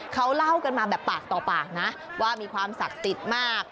เขาเล่ากันมาแบบปากต่อปากนะว่ามีความศักดิ์สิทธิ์มาก